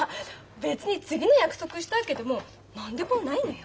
別に次の約束したわけでも何でもないのよ。